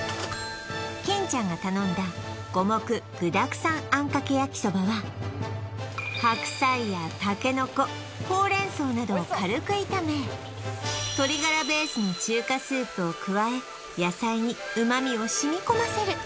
金ちゃんが頼んだ五目具だくさんあんかけやきそばは白菜やたけのこほうれん草などを軽く炒めを加え野菜に旨みをしみこませる